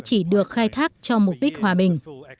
chỉ được khai thác cho mục đích hòa bình